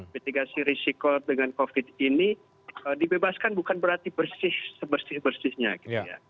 mitigasi risiko dengan covid ini dibebaskan bukan berarti bersih sebersih bersihnya gitu ya